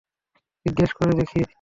জিজ্ঞেস করে দেখি।